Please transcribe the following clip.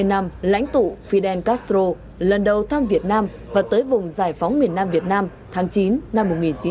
hai mươi năm lãnh tụ fidel castro lần đầu thăm việt nam và tới vùng giải phóng miền nam việt nam tháng chín năm một nghìn chín trăm bảy mươi